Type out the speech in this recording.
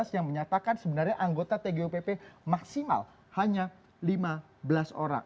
yang menyatakan sebenarnya anggota tgupp maksimal hanya lima belas orang